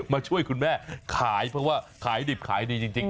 มาช่วยคุณแม่ขายเพราะว่าขายดิบขายดีจริง